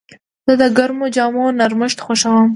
زه د ګرمو جامو نرمښت خوښوم.